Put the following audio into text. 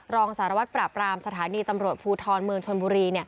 รองสารวัตรปราบรามสถานีตำรวจภูทรเมืองชนบุรี